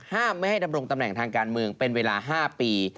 ห้ามไม่ให้ดำรงตำแหน่งทางการเมืองเป็นเวลา๕ปี